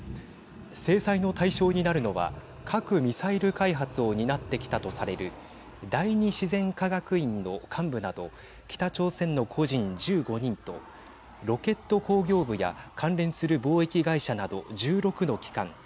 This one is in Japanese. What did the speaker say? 制裁の対象になるのは核・ミサイル開発を担ってきたとされる第２自然科学院の幹部など北朝鮮の個人１５人とロケット工業部や関連する貿易会社など１６の機関。